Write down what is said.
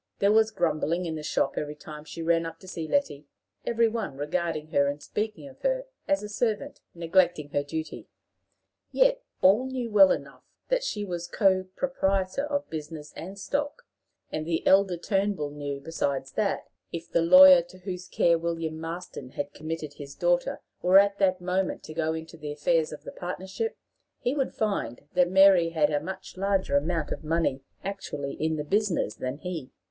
There was grumbling in the shop every time she ran up to see Letty, every one regarding her and speaking of her as a servant neglecting her duty. Yet all knew well enough that she was co proprietor of business and stock, and the elder Turnbull knew besides that, if the lawyer to whose care William Marston had committed his daughter were at that moment to go into the affairs of the partnership, he would find that Mary had a much larger amount of money actually in the business than he.